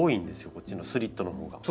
こっちのスリットのほうが。